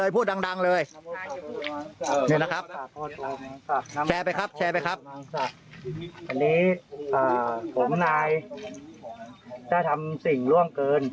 พูดดังเลย